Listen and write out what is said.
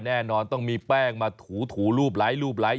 แน่นอนต้องมีแป้งมาถูลูบไล้